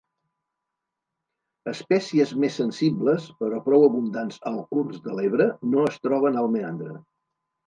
Espècies més sensibles, però prou abundants al curs de l'Ebre, no es troben al meandre.